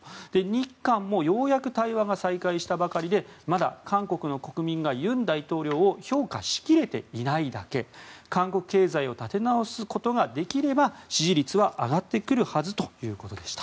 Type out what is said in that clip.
日韓もようやく対話が再開したばかりでまだ韓国の国民が尹大統領を評価しきれていないだけ韓国経済を立て直すことができれば支持率は上がってくるはずということでした。